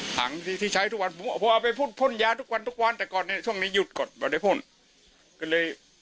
ถังที่ใช้อะไรทุกวันผมเอาไปไปพ้นยาทุกวันแต่ฉ่วงนี้หยุดเกิดเลยเพราะเลย